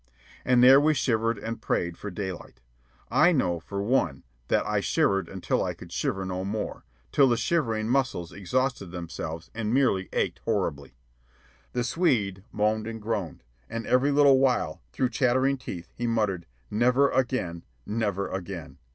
And there we shivered and prayed for daylight. I know, for one, that I shivered until I could shiver no more, till the shivering muscles exhausted themselves and merely ached horribly. The Swede moaned and groaned, and every little while, through chattering teeth, he muttered, "Never again; never again."